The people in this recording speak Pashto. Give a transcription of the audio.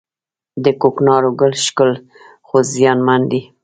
د کوکنارو ګل ښکلی خو زیانمن دی